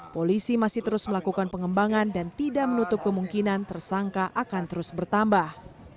polisi masih terus melakukan pengembangan dan tidak menutup kemungkinan tersangka akan terus bertambah